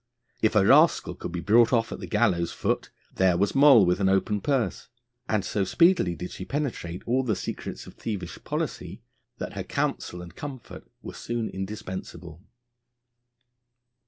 If a rascal could be bought off at the gallows' foot, there was Moll with an open purse; and so speedily did she penetrate all the secrets of thievish policy, that her counsel and comfort were soon indispensable.